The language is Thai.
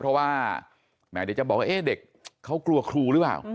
เพราะว่าแหมเดี๋ยวจะบอกว่าเด็กเขากลัวครูหรือเปล่า